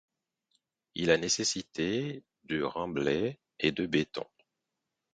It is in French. Il a nécessité de remblai et de béton.